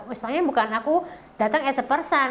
istilahnya bukan aku datang as a person